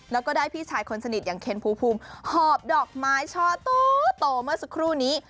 แล้วก็ได้พี่ชายคนสนิทอย่างเคนภูมิหอบดอกไม้ช่อโตเมื่อสักครู่นี้